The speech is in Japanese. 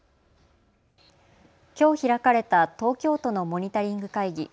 きょう開かれた東京都のモニタリング会議。